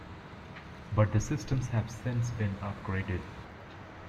But the systems have since been upgraded.